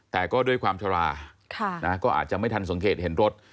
แต่ก็ด้วยความชะลาก็อาจจะไม่ทันสังเกตเห็นรถ